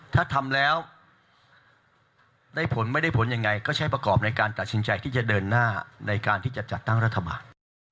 ถ้าทำแล้วได้ผลไม่ได้ผลยังไงก็ใช้ประกอบในการตัดสินใจที่จะเดินหน้าในการที่จะจัดตั้งรัฐบาล